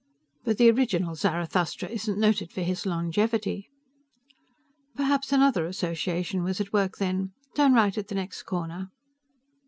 "But the original Zarathustra isn't noted for his longevity." "Perhaps another association was at work then. Turn right at the next corner."